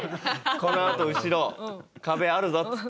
このあと後ろ壁あるぞっつって。